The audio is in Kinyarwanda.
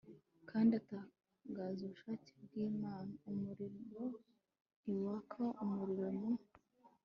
kandi atangaza ubushake bw'imana. umuriro ntiwaka n'umuriro. mu